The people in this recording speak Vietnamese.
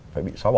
phải bị xóa bỏ